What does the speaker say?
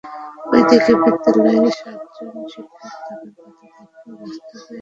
এদিকে বিদ্যালয়ে সাতজন শিক্ষক থাকার কথা থাকলেও বাস্তবে এখন আছেন মাত্র একজন।